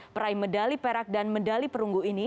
peraih medali perak dan medali perunggu ini